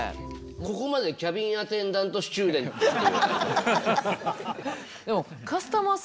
ここまでキャビンアテンダントスチューデントって。